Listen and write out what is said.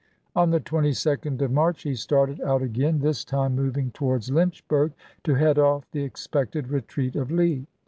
On the 22d of March he started out again, this time moving towards Lynchburg, to head off the expected retreat of Lee.